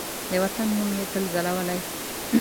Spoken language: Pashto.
د وطن نوم یې تل ځلولی